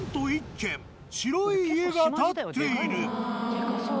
でかそう。